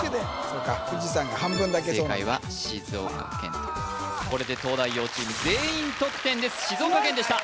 そうか富士山が半分だけ正解は静岡県とこれで東大王チーム全員得点です静岡県でした